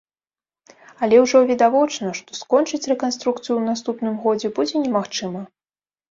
Але ўжо відавочна, што скончыць рэканструкцыю у наступным годзе будзе немагчыма.